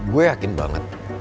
gue yakin banget